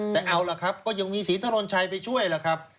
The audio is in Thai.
แต่เอาล่ะครับก็ยังมีศรีถนนชัยไปช่วยล่ะครับ